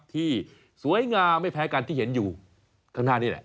ที่สวยงามไม่แพ้กันที่เห็นอยู่ข้างหน้านี่แหละ